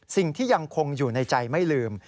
สิ่งที่ยังคงอยู่ในใจไม่ลืม